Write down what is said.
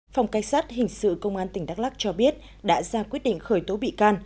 phòng cảnh sát hình sự công an tỉnh đắk lắc cho biết đã ra quyết định khởi tố bị can